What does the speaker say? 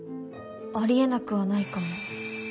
ありえなくはないかも。